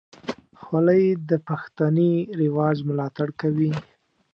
خولۍ د پښتني رواج ملاتړ کوي.